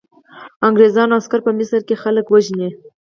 انګریزانو عسکر په مصر کې خلک وژني.